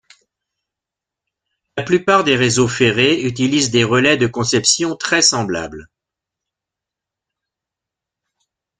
La plupart des réseaux ferrés utilisent des relais de conception très semblable.